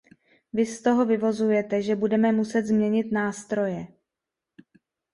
Vy z toho vyvozujete, že budeme muset změnit nástroje.